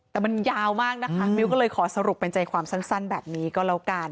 แต่มันยาวมากนะคะมิ้วก็เลยขอสรุปเป็นใจความสั้นแบบนี้ก็แล้วกัน